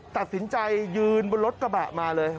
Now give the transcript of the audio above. ตัดสินใจยืนบนรถกระบะมาเลย